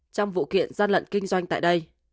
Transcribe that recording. trong vụ kiện gian lận kinh doanh tại đây